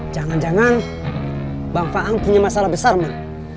jangan jangan bang paang punya masalah besar mon